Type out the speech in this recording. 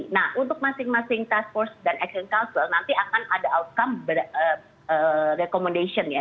nah untuk masing masing task force dan action council nanti akan ada outcome recommendation ya